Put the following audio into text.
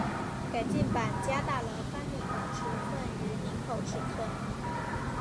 改进版加大了翻领的尺寸与领口尺寸。